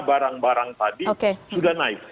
barang barang tadi sudah naik